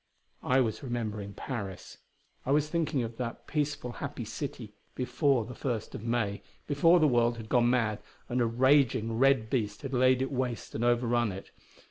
I was remembering Paris; I was thinking of that peaceful, happy city before the First of May, before the world had gone mad and a raging, red beast had laid it waste and overrun it.